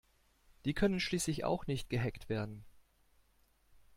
Die können schließlich auch nicht gehackt werden.